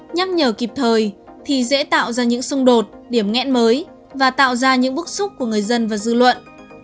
nhắc nhở kịp thời thì dễ tạo ra những xung đột điểm nghẽn mới và tạo ra những bức xúc của người dân và dư luận